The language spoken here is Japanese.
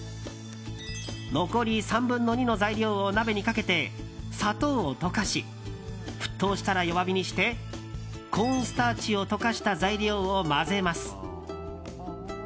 残り３分の２の材料を鍋にかけて砂糖を溶かし沸騰したら弱火にしてコーンスターチを溶かした材料を混ぜます。